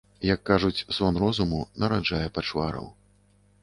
Як кажуць, сон розуму нараджае пачвараў.